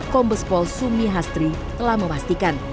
kombes pol sumi hastri telah memastikan